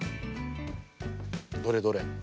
どれどれ。